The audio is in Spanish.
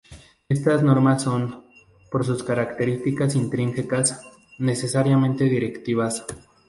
Estas normas son, por sus características intrínsecas, necesariamente las directivas.